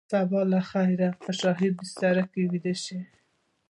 سبا له خیره به په شاهي بستره کې ویده شو.